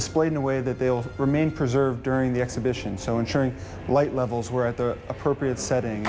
เพื่อทำงานที่จะทำให้ที่ประเทศไทย